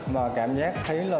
mà cảm giác thấy là